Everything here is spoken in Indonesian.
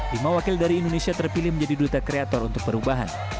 lima wakil dari indonesia terpilih menjadi duta kreator untuk perubahan